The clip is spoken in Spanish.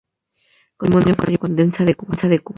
Contrajo matrimonio con la condesa de Cuba.